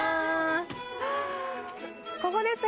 ここです。